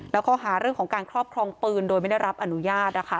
แล้วข้อหาเรื่องของการครอบครองปืนโดยไม่ได้รับอนุญาตนะคะ